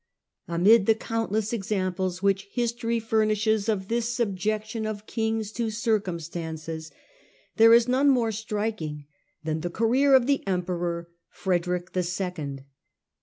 io STUPOR MUNDI Amid the countless examples which History furnishes of this subjection of kings to circumstance, there is none more striking than the career of the Emperor Frederick the Second.